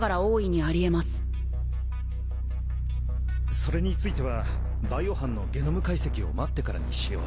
それについてはバイオ班のゲノム解析を待ってからにしよう。